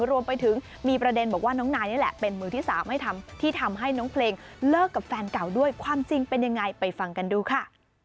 รวมไปถึงมีประเด็นบอกว่าน้องนายนี่แหละเป็นมือที่๓ที่ทำให้น้องเพลงเลิกกับแฟนเก่าด้วยความจริงเป็นยังไงไปฟังกันดูค่ะ